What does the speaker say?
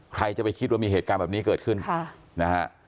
ใครจะไปคิดว่ามีเหตุการณ์แบบนี้เกิดขึ้นนะฮะ